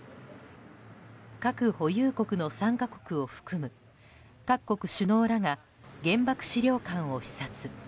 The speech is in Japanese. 核保有国の３か国を含む各国首脳らが原爆資料館を視察。